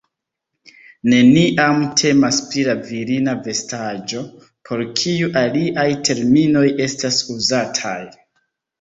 Neniam temas pri la virina vestaĵo, por kiu aliaj terminoj estas uzataj.